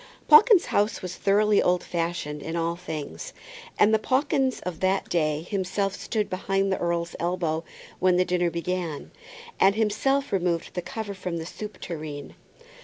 Pawkins's house was thoroughly old fashioned in all things, and the Pawkins of that day himself stood behind the earl's elbow when the dinner began, and himself removed the cover from the soup tureen.